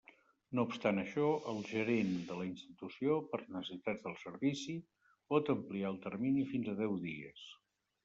No obstant això, el gerent de la institució, per necessitats del servici, pot ampliar el termini fins a deu dies.